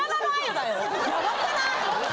ヤバくない？